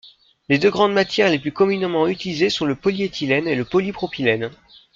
Les deux grandes matières les plus communément utilisées sont le polyéthylène et le polypropylène.